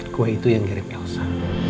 kue itu yang mirip elsa